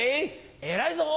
偉いぞ！